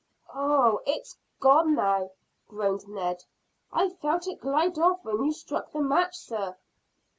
"Oh, it's gone now," groaned Ned. "I felt it glide off when you struck the match, sir."